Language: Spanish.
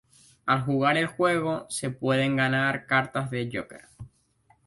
Al jugar el juego, se pueden ganar cartas de "Joker".